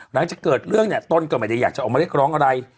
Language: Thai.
หลังจากเกิดเรื่องเนี่ยต้นก็ไม่ได้อยากจะออกมาเรียกร้องอะไร